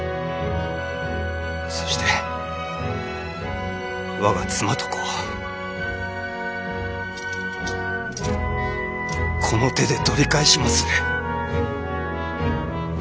そして我が妻と子をこの手で取り返しまする！